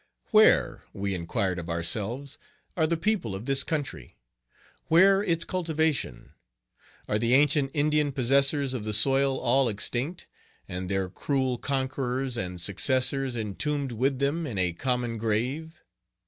Where, we inquired of ourselves, are the people of this country? Where its cultivation? Are the ancient Indian possessors of the soil all extinct, and their cruel conquerors and successors entombed with them in a common grave?